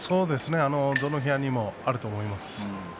どの部屋にもあると思います。